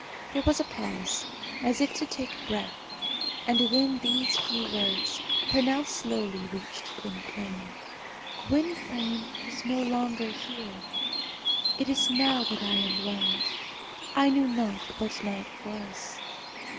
There was a pause, as if to take breath, and then these few words, pronounced slowly, reached Gwynplaine. "Gwynplaine is no longer here. It is now that I am blind. I knew not what night was.